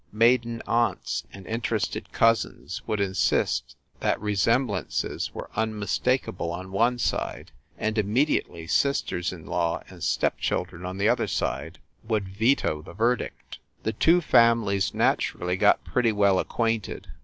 Maiden aunts and interested cousins would insist that resemblances were unmis takable on one side, and immediately sisters in law and step children on the other side would veto the verdict. The two families naturally got pretty well ac quainted.